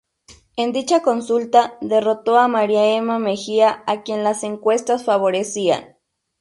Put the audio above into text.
En dicha consulta derrotó a María Emma Mejía a quien las encuestas favorecían.